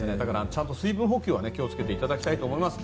ちゃんと水分補給には気を付けていただきたいと思います。